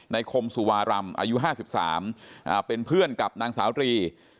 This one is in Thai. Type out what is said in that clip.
คมสุวารำอายุ๕๓เป็นเพื่อนกับนางสาวตรี